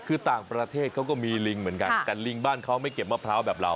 คือต่างประเทศเขาก็มีลิงเหมือนกันแต่ลิงบ้านเขาไม่เก็บมะพร้าวแบบเรา